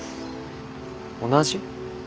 同じ？